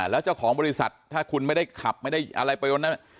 แล้วเจ้าของบริษัทถ้าคุณไม่ได้ขับไม่ได้อะไรไปวันนั้น